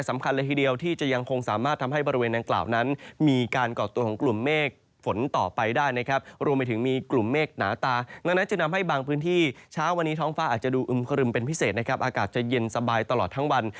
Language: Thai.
อากาศจะเย็นสบายตลอดทั้งวัน